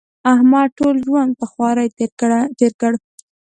احمد ټول ژوند په خواري تېر کړ.